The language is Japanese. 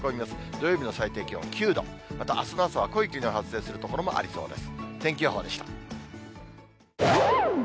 土曜日の最低気温９度、また、あすの朝は濃い霧の発生する所もありそうです。